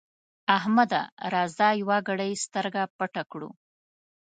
احمده! راځه يوه ګړۍ سترګه پټه کړو.